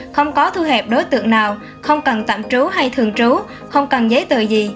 không có thu hẹp đối tượng nào không cần tạm trú hay thường trú không cần giấy tờ gì